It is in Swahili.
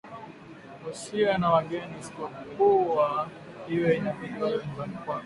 Usiwe na wageni isipokuwa iwe inabidi wawe nyumbani kwako